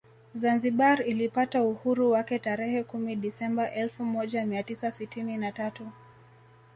Zanzibar ilipata uhuru wake tarehe kumi Desemba elfu moja mia tisa sitini na tatu